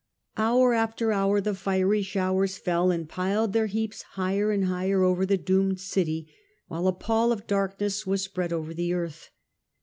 Hour after hour the fiery and various showers fell and piled their heaps higher and dSh and higher over the doomed city, while a pall of ruin. darkness was spread over the earth.